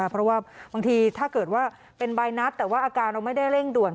เพราะว่าบางทีถ้าเกิดว่าเป็นใบนัดแต่ว่าอาการเราไม่ได้เร่งด่วน